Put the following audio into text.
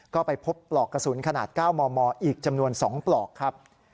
ก็ไปพบปลอกกระสุนขนาด๙มมอีกจำนวน๒ปลอกครับ